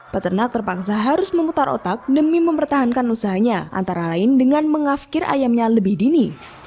peternak terpaksa harus memutar otak demi mempertahankan usahanya antara lain dengan mengafkir ayamnya lebih dini